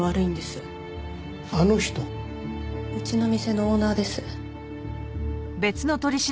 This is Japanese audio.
うちの店のオーナーです。